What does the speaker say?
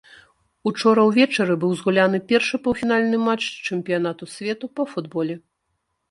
Учора ўвечары быў згуляны першы паўфінальны матч чэмпіянату свету па футболе.